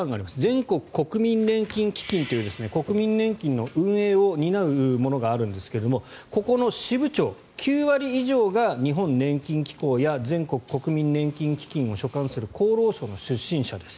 全国国民年金基金という国民年金の運営を担うものがあるんですがここの支部長９割以上が、日本年金機構や全国国民年金基金を所管する厚労省の出身者です。